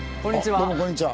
あっどうもこんにちは。